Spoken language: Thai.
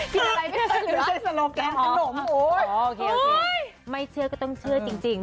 กินอะไรไม่เชื่อเหลืออ๋อโอเคไม่เชื่อก็ต้องเชื่อจริง